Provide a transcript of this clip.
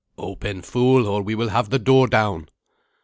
"Open, fool, or we will have the door down."